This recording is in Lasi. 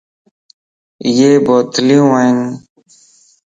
ائي بوتليون ائين.